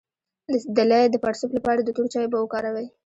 د لۍ د پړسوب لپاره د تور چای اوبه وکاروئ